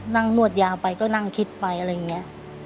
นวดยางไปก็นั่งคิดไปอะไรอย่างนี้